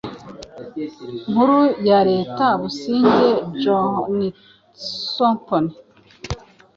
Nkuru ya Leta Busingye Johnston,